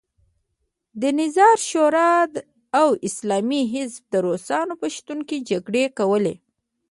د نظار شورا او اسلامي حزب د روسانو په شتون کې جګړې کولې.